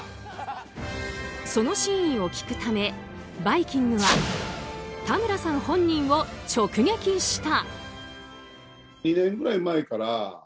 その真意を聞くため「バイキング」はたむらさん本人を直撃した。